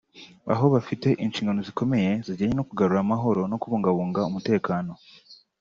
aho bafite inshingano zikomeye zijyanye no kugarura amahoro no kubungabunga umutekano